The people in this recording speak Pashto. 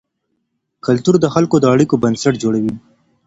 کلتور د خلکو د اړیکو بنسټ جوړوي.